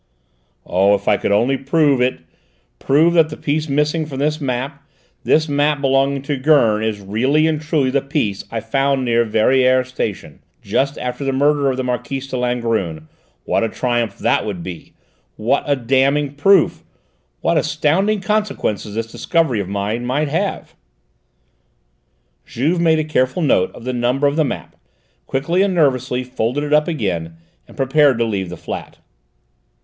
"Oh, if I could only prove it: prove that the piece missing from this map, this map belonging to Gurn, is really and truly the piece I found near Verrières Station just after the murder of the Marquise de Langrune what a triumph that would be! What a damning proof! What astounding consequences this discovery of mine might have!" Juve made a careful note of the number of the map, quickly and nervously, folded it up again, and prepared to leave the flat.